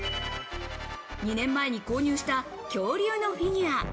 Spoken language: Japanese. ２年前に購入した恐竜のフィギュア。